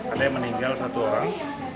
ada yang meninggal satu orang